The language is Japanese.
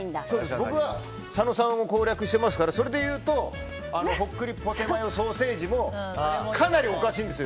僕は佐野さんを攻略してますから、それでいうとほっくりポテマヨソーセージもかなりおかしいんですよ。